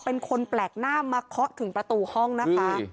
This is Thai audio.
เป็นคนแปลกหน้ามาเคาะถึงประตูห้องนะคะ